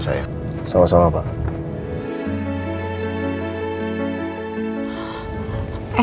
ya tolong sampaikan terima kasih sayang